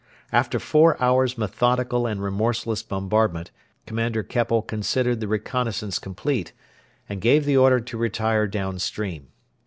After four hours' methodical and remorseless bombardment Commander Keppel considered the reconnaissance complete, and gave the order to retire down stream.